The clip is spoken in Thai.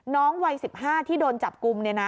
น้องวัย๑๕ที่โดนจับกุม